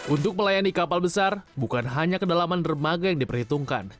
untuk melayani kapal besar bukan hanya kedalaman dermaga yang diperhitungkan